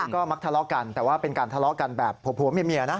ก็มักทะเลาะกันแต่ว่าเป็นการทะเลาะกันแบบผัวเมียนะ